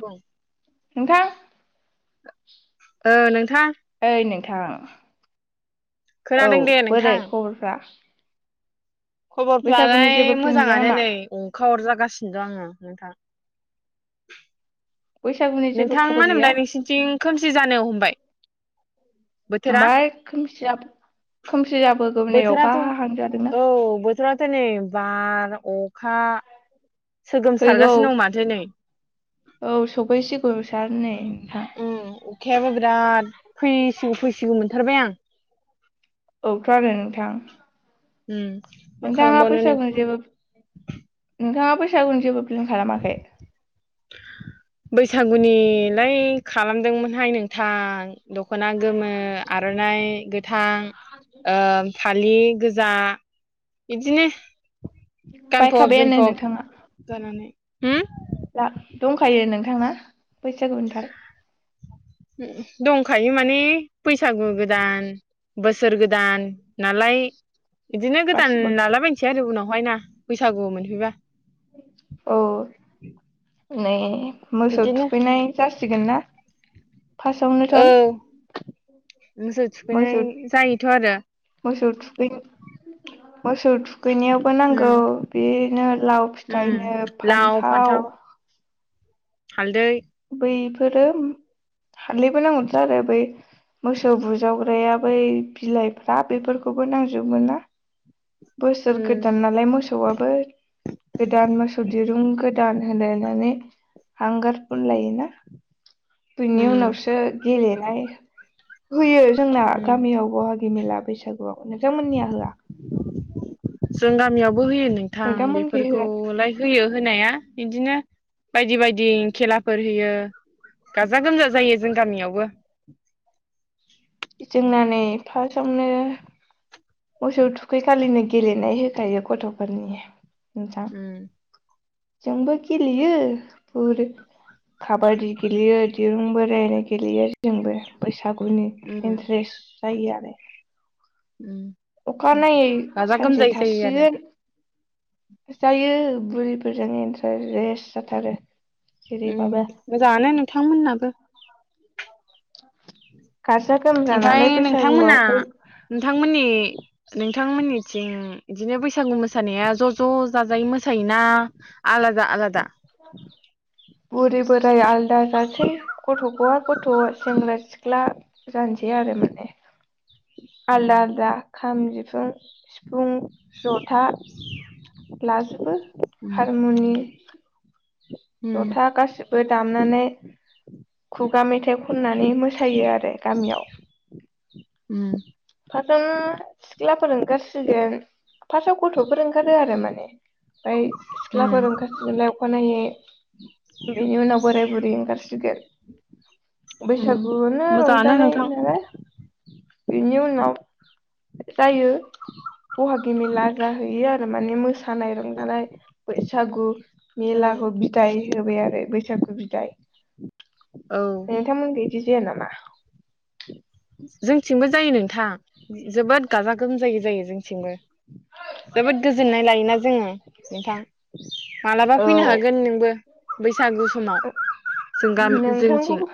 दं नोंथां औ नोंथां। थां औ खोनादों दे नोंथां बोरै खबरफ्रा? बैसागुनि खबरफ्रालाय जेबो प्लेन गैया मोजाङानो नामा नै अंखा हरजागासिनो हासिनोद आङो नोंथां बैसागुनि जेबो नोंथां मा खबर गैया होनोमला नोंसिनिथिं खोमसि जानो हमबाय बोथोरा हमबाय खोमसिया खोमसि जाबोगौ नै अखा हा जादोंना थोराथ नै बार अखा फैगौ सोगोमसारगासिनो दं माथो नै औ सफैसिगौ सार नै नोंथां उम अखायाबो बिराद फै फैसिग फैसिगौ मोनथारबाय आं औथ आरो नोंथां उम मा नोंथांहा खालामबावनो बैसागोनि नोंथां जेबो बैसागुनि जेबो फिल्म खालामाखै बैसागुनिलाय खालामदोंमोनहाय नोंथां दखना गोमो आरनाइ गोथां ओ फालि गोजा इदिनो बायखाबायानो नोंथाङा हम ना दंखायो नोंथाङा बैसागुनिथाय हम दंखायो माने बैसागु गोदान बोसोर गोदान नालाय बिदिनो गोदान गासिबो लालाबायनोसै आरो उनाव गबाय ना बैसागु मोनफैबा औ नै मोसौ बिदिनो थुखैनाय जासिगोन ना फार्स्टआवनो औ थन मोसो थुखैनाय जायोथ' आरो । मोसौथुखैन मोसौथु गैनायावबो नांगौ उम बे नो । लाव उम फिथाइनो फान्थाव हालदै । बैफोरो हारदैबो नांगौथ आरो बै मोसौ बुजावग्राया बै बिलाइफ्रा बेफोरखौबो नांजोबबोमोन ना । बोसोर उम गोदान नालाय मोसौआबो गोदान मोसौ दिरुं गोदान होनलायनानै हांगार। फुनलायो ना। बिनि उम उनावसो गेले [unintelligible] होयो जोंना उम गामियाव बहागि मेला बैसागुआव । नोंथांमोननिया होआ? जों गामियाव । बो होयो नोंथां नोंथांमोनखै होआ बेफोरखौलाय होयो होनाया बिदिनो बायदि बायदि खेलाफोर होयो गाजा-गोमजा जायो जों गामियावबो । बुंनानै फासावनो मोसौ थुखैखालिनो गेलेनाय होखायो गथ'फोरनि । नोंथां उम जोंबो गेलयो फुर काबादि गेलेयो दिरुंबो बोलायनाय गेलेयो जोंबो बोस सागुनि उम इन्ट्रेस्ट जायो आरो । अखानायै गाजा सानसे गोमजायै जायो आरो थासिगोन । जायो बुरिफोरजों इन्टारेस जाथारो । उ मोजाङानो नोंथांमोन्नाबो । गाजा गोमजा नालाय ओमफ्राय नोंथांमोना बैसागुआव नोंथांमोननि नों नोंथांमोननिथिं बिदिनो बैसागु मोसानाया ज' ज' जाजायै मोसायोना आलादा-आलादा? [unintelligible] बुरै-बोराय आल दा गासै गथ' बबा गथ' सेंग्रा सिख्ला जानसै आरो माने आलाद उम आलदा खाम जिफुं- सिफुं जथा लाजोबो, उम हारमुनि जथा गासिबो दामनानै खुगा मेथाइ खननानै मोसायो आरो। गामियाव उम [inaudible] सिख्लाफोर ओंखारसिगोन फार्स्टआव गथ'फोर ओंखारो आरो माने। ओमफ्राय उम सिख्लाफोर ओंखारसिगोनलाय नायै, बेनि उनाव बोराय बुरै ओंखारसि उम बैसागुनो मोजाङानो रंजानाय नोंथां नालाय बेनिउनाव जायो बहागि मेला जाहैयोआरो माने मोसानाय रंजानाय बैसागु उम मेलाखौ बिदाय होबाय आरो बै सागु बिदाय औ इदि जाया नामा? जोंथिंबो जायो नोंथां जोबोद गाजा गोमजायै जायो जोंथिंबो। जोबोद गोजोननाय लायोना जोङो। नोंथां मालाबा फैनो हागोन नोंबो। बै ओ जोंथिं नोंथांखौबो,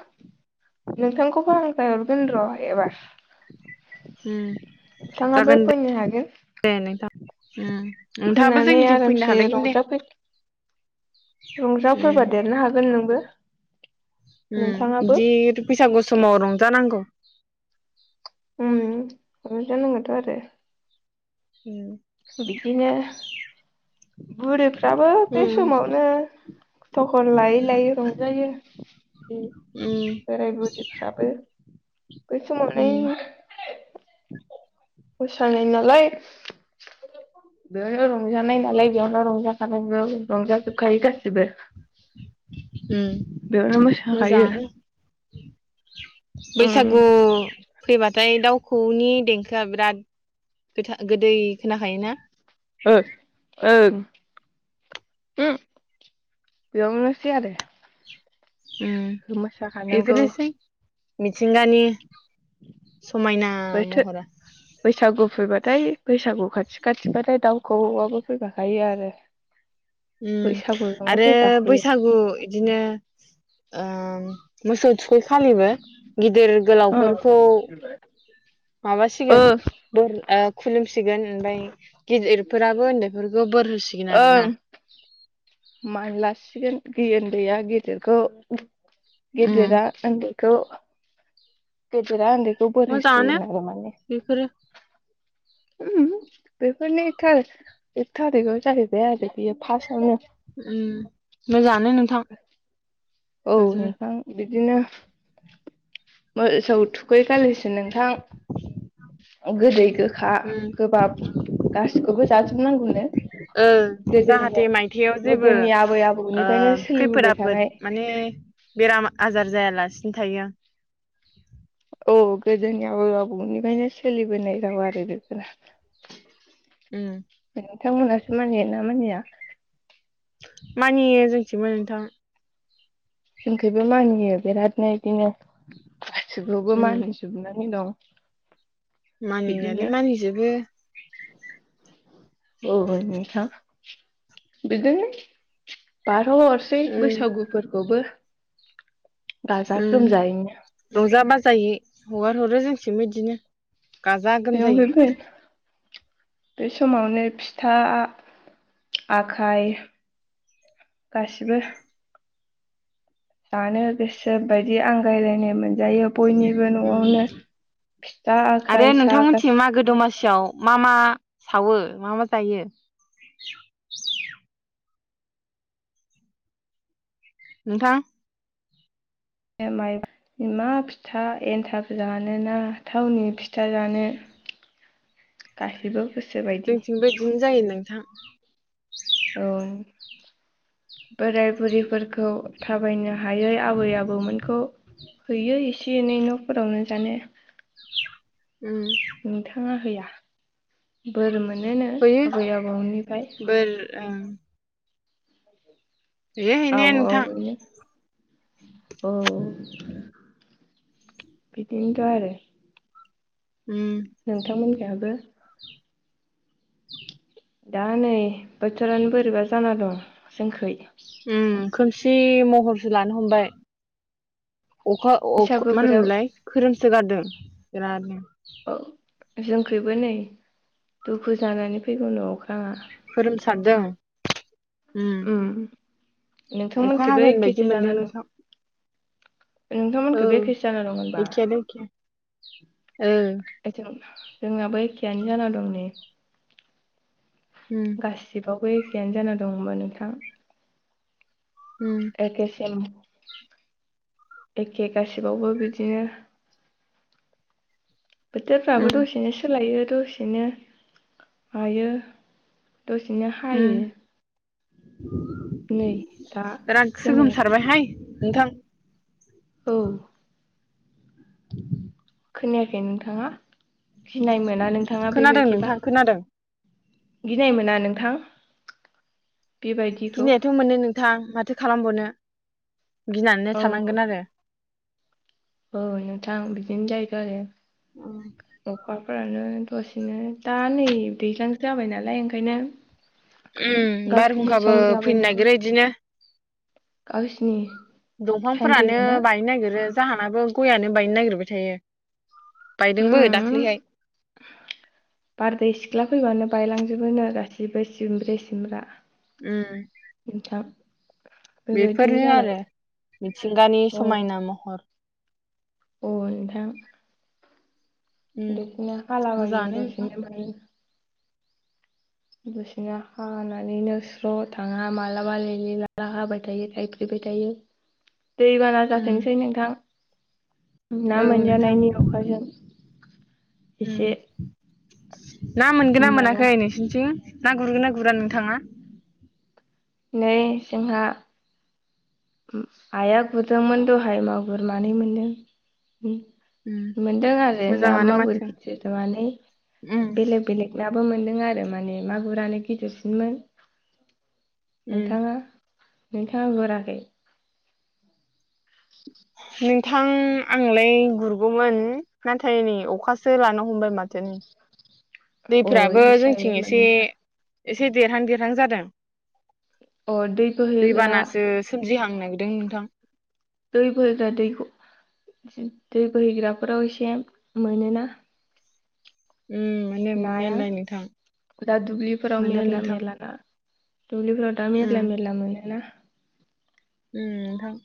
नोंथांखौबो हांख्राय हरगोन र'। एबार उम [inaudible] थाङाबो जागोन फैनो हागोन। दे नोंथां उम नोंथाङाबो फैनानै जोंनिथिं फैनो आरामसे हालायगोन दे रंजाफै [inaudible] उम रंजाफैफादेरनो हागोन नोंबो। उम नोंथाङाबो इदि बैसागु समाव रंजानांगौ। उम रंजानांगौथ' आरो। उम बिदिनो [inaudible] बुरै फ्राबो बे उम समावनो थ'खन लायै लायै रंजायो। उम उम बोराय बुरिफ्राबो बै समावनो [inaudible] उम [unintelligible] नालाय [unintelligible] रंजानाय नालाय बेयावनो रंजा [unintelligible] रंजाजोबखायो गासिबो [inaudible] बेयावनो मोसाखायो मोजाङानो उम बैसागु फैबाथाय दाउ खौवौनि देंखोआ बिराद गोथा गोदै खोनाखायोना? ओ ओं उम बेयावनोसै आरो उम मोसाखानांगौ बेफोरनोसै मिथिंगानि समायना बोथोर महरा बैसागु फैबा थाय बैसागु खाथि खाथिबाथाय दाउखौवौआबो फैफाखायो आरो। उम बैसागुजोंनो आरो फैफाखायो बैसागु बिदिनो मोसौ थुखैखालिबो गिदिर ओ गोलावफोरखौ माबासिगो ओ खुलुमसिगोन ओमफ्राय गिदिरफोराबो उन्दैफोरखौ बोर होसिगोन आरो ओं ना मानलासिगोन उन्दैया गेदेरखौ उम गेदेरा उन्दैखौ गेदेरा उन्दै खौबोर मोजाङानो होसिगोन बेफोरो बेफोरनि एक थारिखाव जाहैबाय आरो बियो फासआवनो उम मोजां नोंथां औ बेफोरो नोंथां बिदिनो मोसौ थुखै खालिसो नोंथां गोदै गोखा उम गोबाब गासिखौबो जाजोबनांगौनो ओ गोदोनि जाहाथे मायथायाव जेबो गोदोनि आबै ओ आबौनिफ्रायनो खैफोद सोलिबोबाय आफोद थानाय माने बेराम आजार जायालासेनो थायो औ गोदोनि आबै आबौनिफ्रायनो सोलिबोनाय राव आरो बेफोरो उम नोंथांमोनासो मानियो ना मानिया? मानियो जोंथिबो नोंथां जोंखौबो मानियो बेरादनो बिदिनो गासैखौबो उम मानिजोबनानै दं [inaudible] बिदिनो मानिनायालाय मानिजोबो औ नोंथां बिदिनो बार थ हरसै उम बैसागुफोरखौबो गाजा उम गोमजायैनो रंजा बाज जायै हगार हरो जोंथिबो बिदिनो गाजा बेयाव फैबाय गोमजायै बे समावनो फिथा आखाय गासिबो जानो गोसो बायदि आंगायलायनाय मोन जायो बयनिबो उम न'आवनो फिथा आरो आखाय सा नोंथांमोनथिं गासै मागो दमासियाव मा मा सावो मा मा जायो नोंथां माइ मा फिथा एन्थाब जानोना थावनि फिथा जानो गासिबो जोंथिंबो इदिनो जायो नोंथां औ बोराय बुरैफोरखौ थाबायनो हायै आबै आबौमोनखौ हैयो एसे एनै न'फोरावनो जानो उम नोंथाङा हैया बोर मोनोनो हैयो आबै आबौनिफ्राय बोर ओं हैयो औ हैनाया नोंथां औ औ बिदिनोथ' आरो उम [inaudible] [inaudible] दा नै बोथोरानो बोरैबा जाना दं जोंखै उम खोमसि महरसो लानो हमबाय अखा अ मा बैसागुफोराव होनोमोनलाय खोरोम सोगारदों बिरादनो। ओ। जोंखैबो नै दुखु जानानै फैगौ नो अख्रांआ। खोरोमसारदों। उम ओम अखा नोंथांमोनखैबो हागोन एखे बायदि एखे मोनदों जाना दं। नोंथां औ नोंथांमोनखैबो एखेसो जाना दं होनबा। एखेयानो एखे [inaudible] जोंनाबो ए खेआनो जाना दं नै। उम गासिबाव बो एखेयानो जाना दं होमबा नोंथां। उम एकेे सेम। एखे गासिबावबो बिदिनो। बोथोरफ्राबो उम दसेनो सोलायो। दसेनो हायो। दसेनो उम हायो नै दा बिराद खोनाया सोगोमसारबायहाय नोंथां। औ। [inaudible] खोनायाखै नोंथांङा? खोनादों नोंथां खोनादों। गिनाय मोना नोंथां? बेबायदिखौ। थां माथो खालामबावनो। गिनानैनो औ थानांगोन आरो। औ नोंथां बिदिनो जायगा आरो अखाफोरानो दसेनो दा नै दैजलांसो जाबाय नालाय ओंखायनो उम गावसिनि बारहुंखाबो सम जाबाय फैनो नालाय नागिरो इदिनो। गावसिनि टाइम दंफांफोरानो फैबायना बायनो नागिरो। जाहानाबो गयानो बायनो नागिरबाय थायो। उम बायदोंबो दाख्लैहाय बारदै सिख्ला फैबानो बायलांजोबोनो गासिबो सिमब्रे सिमब्रा। उम नोंथां। बेबायदिनो बेफोरनो जाबाय आरो मिथिंगानि समायना महर। अ नोंथां उम दसिनो हाला बायो मोजाङानो नोंथां दसेनो माने दसेनो हानानैनो स्र' थाङा मालाबा लिलि लाला हाबाय थायो थाइफिबाय थायो। दैबाना उम जाथोंसै नोंथां। ना औ नोंथां मोनजानायनि अखाजों उम एसे ना मोनगोन ना होमबाना मोनाखै नोंसिनिथिं? ना गुरगोन ना गुरा नोंथांङा? नै जोंहा आइआ गुरदोंमोन दहाय मा गुर मानै मोनदों। उम मोनदों आरो ना मोजाङानो मागुर माथो गिदिर मानै उम बेलेग बेलेग ना बो मोनदों आरो माने मागुरानो गिदिरसिनमोन। उम नोंथाङा नोंथाङा गुराखै? नोंथां आंलाय गुरगौमोन नाथाय नै अखासो लानो हमबाय माथो नै। अ दैफोराबो इदिसो जाहैबाय जोंथिं होमबा एसे नोंथां एसे देरहां देरहां जादों। अह दै बोहैग्रा जिहांनो नागिरदों नोंथां। दै बोहैग्रा दैखौ दै बोहैग्राफोराव एसे मोनोना। उम मोनो नाया मोननायालाय नोंथां दा दुब्लिफोराव मोनो मेरला नोंथां मेरला ना? दुब्लिफोराव दा उम मेरला मेरला मोनोना। उम नोंथां।